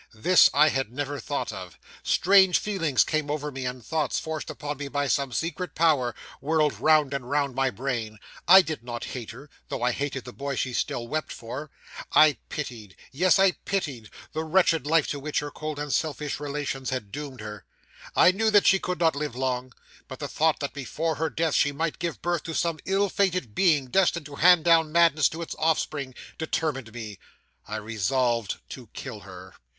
This I had never thought of. Strange feelings came over me, and thoughts, forced upon me by some secret power, whirled round and round my brain. I did not hate her, though I hated the boy she still wept for. I pitied yes, I pitied the wretched life to which her cold and selfish relations had doomed her. I knew that she could not live long; but the thought that before her death she might give birth to some ill fated being, destined to hand down madness to its offspring, determined me. I resolved to kill her.